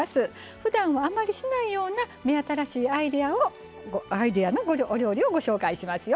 ふだんあまりしないような目新しいアイデアのお料理をご紹介しますよ。